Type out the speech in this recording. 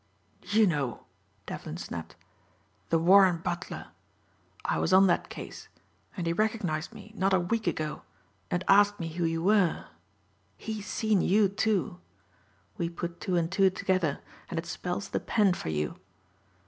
"You know," Devlin snapped, "the Warren butler. I was on that case and he recognized me not a week ago and asked me who you were. He's seen you, too. We put two and two together and it spells the pen for you.